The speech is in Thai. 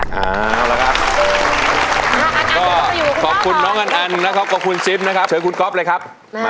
เอาละครับก็ขอบคุณน้องอันอันนะครับขอบคุณซิปนะครับเชิญคุณก๊อฟเลยครับ